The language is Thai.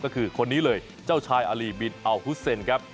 ก็คือคนนี้เลยเจ้าชายอารีบินอัลฮุสเซนครับ